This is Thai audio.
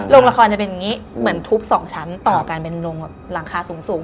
ลงละครจะเป็นอย่างนี้เหมือนทุบ๒ชั้นต่อกันเป็นหลังคาสูง